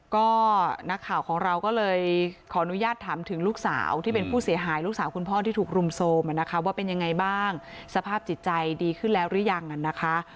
ก็นักข่าวของเราก็เลยขออนุญาตถามถึงลูกสาวที่เป็นผู้เสียหายลูกสาวคุณพ่อที่ถูกรุมโทรมนะคะว่าเป็นยังไงบ้างสภาพจิตใจดีขึ้นแล้วหรือยังนะคะ